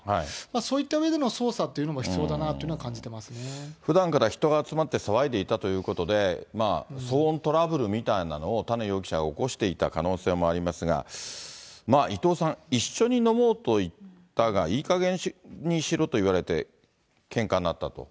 そういった上での捜査っていうのも必要だなというふうに感じてまふだんから人が集まって騒いでいたということで、騒音トラブルみたいなのを多禰容疑者が起こしていた可能性もありますが、伊藤さん、一緒に飲もうと言ったが、いいかげんにしろと言われて、けんかになったと。